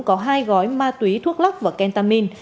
có hai gói ma túy thuốc lắc và kentamin